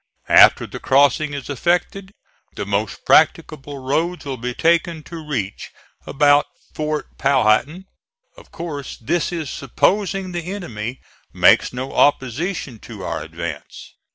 After the crossing is effected, the most practicable roads will be taken to reach about Fort Powhattan. Of course, this is supposing the enemy makes no opposition to our advance.